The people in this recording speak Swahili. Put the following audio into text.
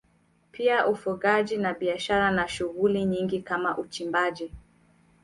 Pia ufugaji na biashara na shughuli nyingine kama uchimbaji